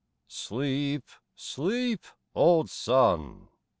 Sleep, sleep, old sun